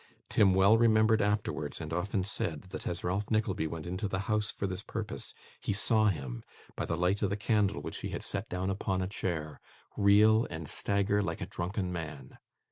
Tim well remembered afterwards, and often said, that as Ralph Nickleby went into the house for this purpose, he saw him, by the light of the candle which he had set down upon a chair, reel and stagger like a drunken man.